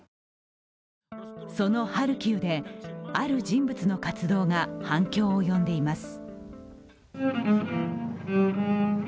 そのハルキウである人物の活動が反響を呼んでいます。